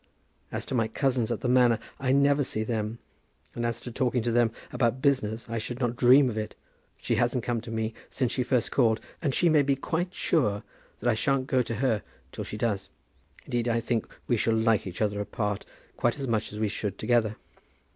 As to my cousins at the manor, I never see them; and as to talking to them about business, I should not dream of it. She hasn't come to me since she first called, and she may be quite sure I shan't go to her till she does. Indeed I think we shall like each other apart quite as much as we should together.